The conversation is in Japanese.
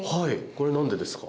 これは何でですか？